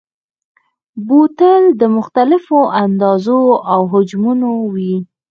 بوتل د مختلفو اندازو او حجمونو وي.